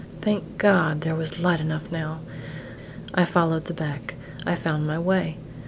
Thank God there was light enough now! I followed the beck. I found my way.